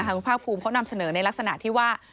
คุณภาคภูมิเขานำเสนอในลักษณะที่ว่า